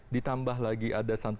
ditambah lagi ada setengah